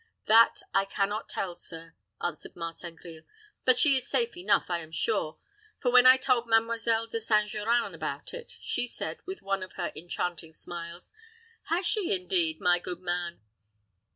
"That I can not tell, sir," answered Martin Grille; "but she is safe enough, I am sure; for when I told Mademoiselle De St. Geran about it, she said, with one of her enchanting smiles, 'Has she, indeed, my good man?